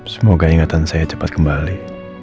semoga ingatan saya cepat kembali